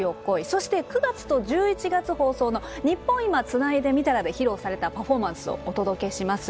そして９月と１１月放送の「ニッポン『今』つないでみたら」で披露されたパフォーマンスをお届けします。